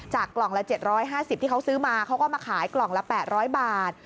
กล่องละ๗๕๐ที่เขาซื้อมาเขาก็มาขายกล่องละ๘๐๐บาท